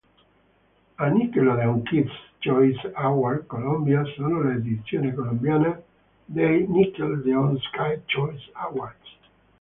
I Nickelodeon Kids' Choice Awards Colombia sono l'edizione colombiana dei Nickelodeon Kids' Choice Awards.